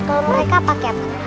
kalau mereka pakai apa